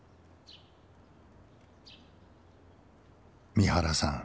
三原さん